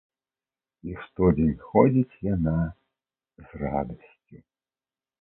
І штодзень ходзіць яна з радасцю.